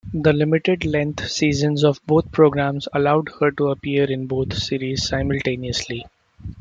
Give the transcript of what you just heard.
The limited-length seasons of both programs allowed her to appear in both series simultaneously.